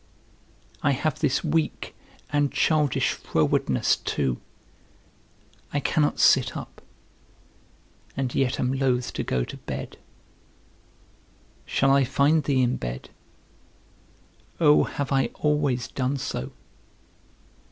I have this weak and childish frowardness too, I cannot sit up, and yet am loth to go to bed. Shall I find thee in bed? Oh, have I always done so?